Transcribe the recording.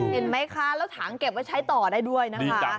เห็นไหมคะแล้วถังเก็บไว้ใช้ต่อได้ด้วยนะคะ